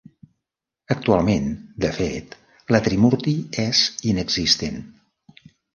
Actualment, de fet, la Trimurti és inexistent.